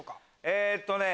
えっとね。